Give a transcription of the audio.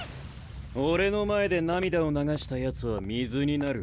俺の前で涙を流したヤツは水になる。